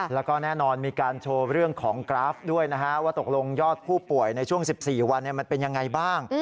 แล้วก็แน่นอนมีการโชว์เรื่องของกราฟด้วยนะฮะว่าตกลงยอดผู้ป่วยในช่วง๑๔วันมันเป็นยังไงบ้าง